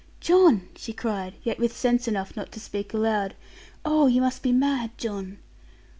'John!' she cried, yet with sense enough not to speak aloud: 'oh, you must be mad, John.'